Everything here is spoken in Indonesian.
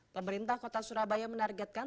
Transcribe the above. pemerintah kota surabaya menargetkan